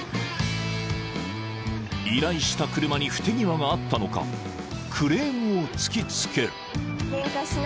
［依頼した車に不手際があったのかクレームを突き付ける］